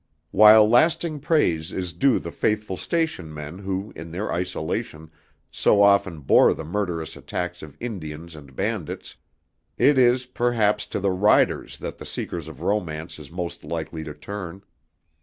While lasting praise is due the faithful station men who, in their isolation, so often bore the murderous attacks of Indians and bandits, it is, perhaps, to the riders that the seeker of romance is most likely to turn.